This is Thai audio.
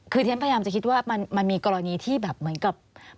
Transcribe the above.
คือที่ฉันพยายามจะคิดว่ามันมีกรณีที่แบบเหมือนกับ